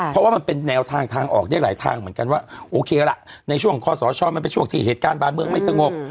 เพราะว่ามันเป็นแนวทางทางออกได้หลายทางเหมือนกันว่าโอเคละในช่วงคอสชมันเป็นช่วงที่เหตุการณ์บ้านเมืองไม่สงบ